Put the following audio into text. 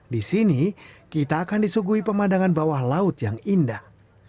di sini kita akan disuguhi pemandangan bawah laut yang indah